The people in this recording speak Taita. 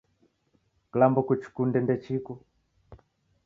Kilambo kuchikunde ndechiko